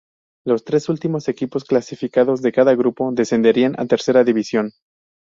Los tres últimos equipos clasificados de cada grupo descendían a Tercera División.